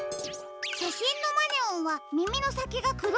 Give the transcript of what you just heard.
しゃしんのマネオンはみみのさきがくろいですね。